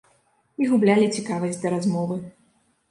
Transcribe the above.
І гублялі цікавасць да размовы.